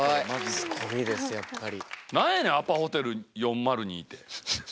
すごいですやっぱり。